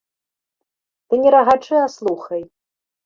Ты не рагачы, а слухай.